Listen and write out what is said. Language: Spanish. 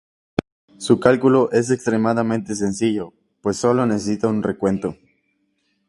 Su cálculo es extremadamente sencillo, pues solo necesita un recuento.